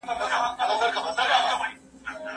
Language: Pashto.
هغې ویلي، "زه خپلې ورځې نه شم اداره کولی."